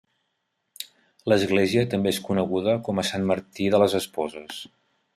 L'església també és coneguda com a Sant Martí de les Esposes.